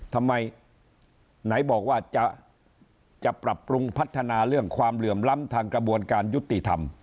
ทำไมไหนบอกว่าจะปรับปรุงพัฒนาเรื่องความเหลื่อมล้ำทางกระบวนการยุติธรรม